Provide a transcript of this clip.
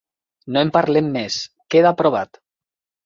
No en parlem més. queda aprovat.